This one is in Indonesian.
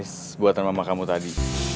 ada beronis buatan mama kamu tadi